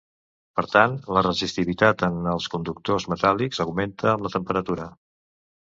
Per tant, la resistivitat en els conductors metàl·lics augmenta amb la temperatura.